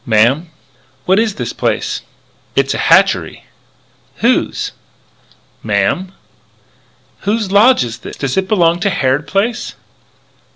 "Ma'am?" "What is this place?" "It's a hatchery " "Whose?" "Ma'am?" "Whose lodge is this? Does it belong to Harrod Place?"